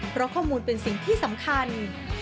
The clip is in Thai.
เพราะข้อมูลเป็นสิ่งที่สำคัญ